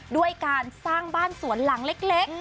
ด้วยการสร้างบ้านสวนหลังเล็ก